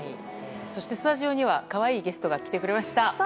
そして、スタジオには可愛いゲストが来てくれました。